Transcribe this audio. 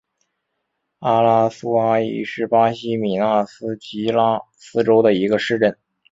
阿拉苏阿伊是巴西米纳斯吉拉斯州的一个市镇。